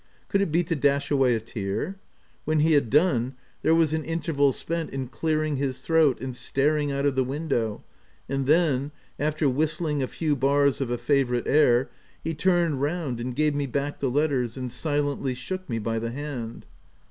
Could it be to dash away a tear ? When he had done, there was an interval spent in clearing his throat and staring out of the window, and then, after whistling a few bars of a favourite air, he turned round, gave me back the letters and silently shook me by the hand.